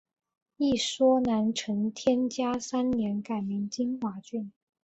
一说南陈天嘉三年改名金华郡。